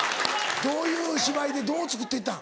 どういう芝居でどう作っていったん？